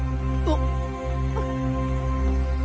あっ？